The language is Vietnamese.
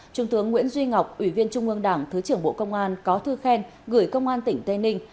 trung tướng nguyễn duy ngọc ủy viên trung ương đảng thứ trưởng bộ công an có thư khen gửi công an tỉnh tây ninh